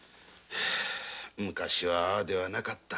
昔はああではなかった。